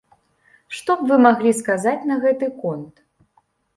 Што б вы маглі сказаць на гэты конт?